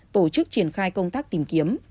tổ chức triển khai công tác tìm kiếm